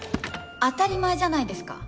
当たり前じゃないですか。